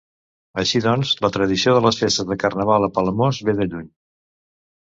Així doncs, la tradició de les festes de Carnaval a Palamós ve de lluny.